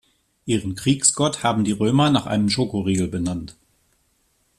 Ihren Kriegsgott haben die Römer nach einem Schokoriegel benannt.